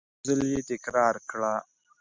یو ځل یې تکرار کړه !